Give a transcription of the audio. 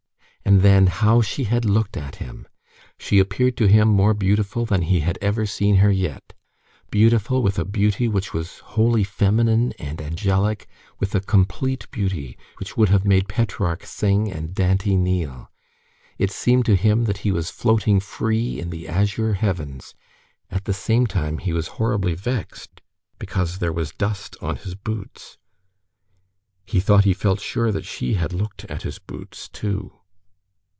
And then, how she had looked at him! She appeared to him more beautiful than he had ever seen her yet. Beautiful with a beauty which was wholly feminine and angelic, with a complete beauty which would have made Petrarch sing and Dante kneel. It seemed to him that he was floating free in the azure heavens. At the same time, he was horribly vexed because there was dust on his boots. He thought he felt sure that she had looked at his boots too.